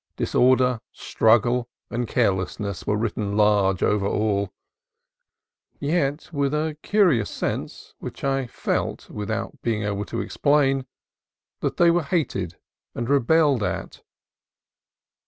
Disorder, struggle, and carelessness were written large over all ; yet with a curious sense, which I felt without being able to explain, that they were hated and rebelled at.